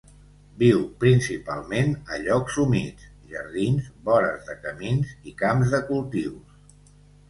Viu principalment a llocs humits, jardins, vores de camins i camps de cultius.